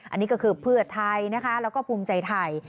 อันนี้ก็คือเพื่อไทยนะคะแล้วก็ภูมิใจไทย